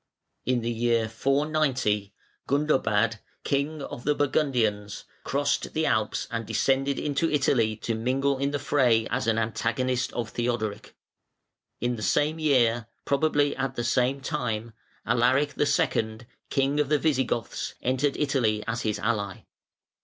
II. In the year 490 Gundobad, king of the Burgundians, crossed the Alps and descended into Italy to mingle in the fray as an antagonist of Theodoric. In the same year, probably at the same time, Alaric II., king of the Visigoths, entered Italy as his ally.